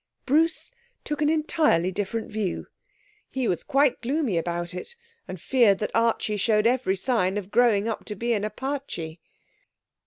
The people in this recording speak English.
Bruce took an entirely different view. He was quite gloomy about it and feared that Archie showed every sign of growing up to be an Apache.